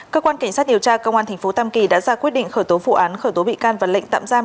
cơ quan cảnh sát điều tra công an tp tam kỳ đã ra quyết định khởi tố vụ án khởi tố bị can và lệnh tạm giam